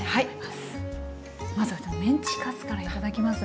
まずはメンチカツから頂きますね。